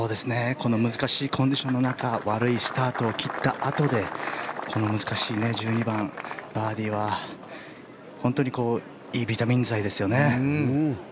この難しいコンディションの中悪いスタートを切ったあとでこの難しい１２番、バーディーは本当にいいビタミン剤ですよね。